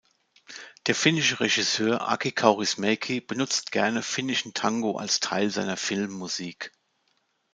Der finnische Regisseur Aki Kaurismäki benutzt gerne finnischen Tango als Teil seiner Filmmusik.